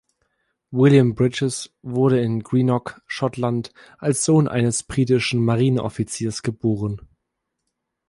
William Bridges wurde in Greenock, Schottland, als Sohn eines britischen Marineoffiziers geboren.